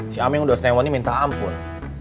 si aming udah snewani minta ampun